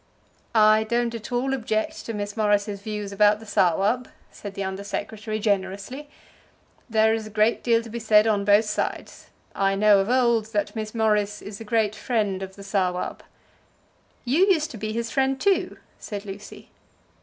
"I don't at all object to Miss Morris's views about the Sawab," said the Under Secretary generously. "There is a great deal to be said on both sides. I know of old that Miss Morris is a great friend of the Sawab." "You used to be his friend too," said Lucy.